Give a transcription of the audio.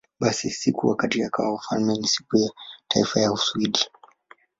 Basi, siku wakati akawa wafalme ni Siku ya Taifa ya Uswidi.